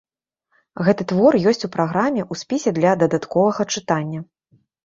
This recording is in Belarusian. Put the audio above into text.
Гэты твор ёсць у праграме ў спісе для дадатковага чытання.